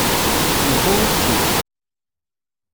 Yewwa wučči?